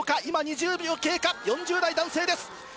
今２０秒経過４０代男性です。